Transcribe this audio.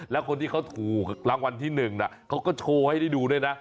แล้วคนที่เขาถูกรางวัลที่๑เขาก็โชว์ให้ได้ดูด้วยนะ